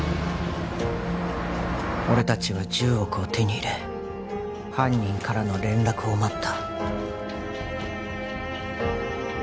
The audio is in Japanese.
俺達は１０億を手に入れ犯人からの連絡を待った